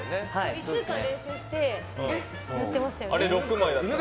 １週間練習してやってましたよね。